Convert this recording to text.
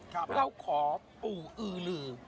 ครับเราขอปู่อือลือ